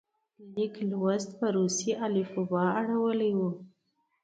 لیک لوست په روسي الفبا اړولی وو.